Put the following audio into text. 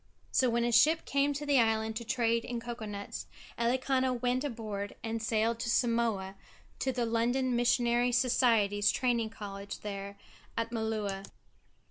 So when a ship came to the island to trade in cocoa nuts Elikana went aboard and sailed to Samoa to the London Missionary Society's training college there at Malua.